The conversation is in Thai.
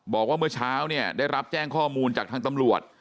บอกว่าเมื่อเช้าเนี่ยได้รับแจ้งข้อมูลจากทางตำรวจ